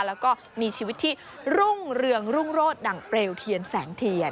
แล้วก็มีชีวิตที่รุ่งเรืองรุ่งโรศดั่งเปลวเทียนแสงเทียน